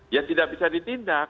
ya tidak bisa ditindak